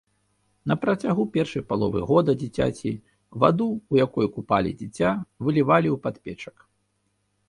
На працягу першай паловы года дзіцяці, ваду, у якой купалі дзіця, вылівалі ў падпечак.